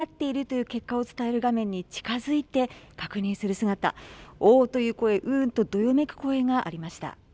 出口調査、白坂さん、吉田さん競り合っているという結果を伝える画面に近づいて確認する姿、おおという声、うーんとどよめく声がありました。